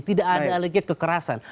tidak ada lagi kekerasan